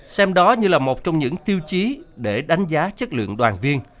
xem đó như là một trong những tiêu chí để đánh giá chất lượng đoàn viên